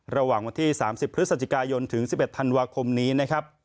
ระหว่างวันที่๓๐พฤศจิกายนถึง๑๑ธันวาคมนี้นะครับ